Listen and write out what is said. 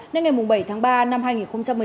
nên ngày bảy tháng ba năm hai nghìn một mươi chín